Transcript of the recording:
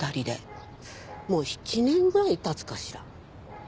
もう７年ぐらい経つかしら。